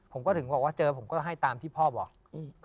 ผมก็ถึงบอกว่าเจอผมก็ให้ตามที่พ่อบอก